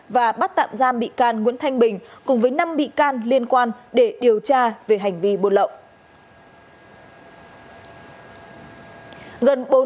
và bắt tạm giam bị can nguyễn thanh bình cùng với năm bị can liên quan để điều tra về hành vi buôn lậu